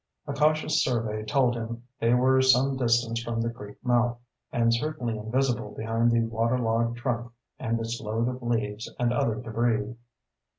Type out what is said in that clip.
A cautious survey told him they were some distance from the creek mouth, and certainly invisible behind the waterlogged trunk and its load of leaves and other debris.